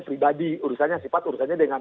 pribadi urusannya sifat urusannya dengan